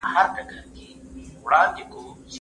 د سوات په شنو باغونو کې اوس د مڼو د ګلانو موسم دی.